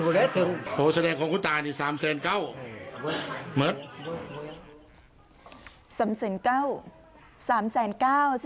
โฆษฎีแสดงของคุณตานี่๓๙๐๐๐บาท